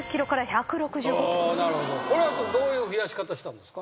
これはどういう増やし方したんですか？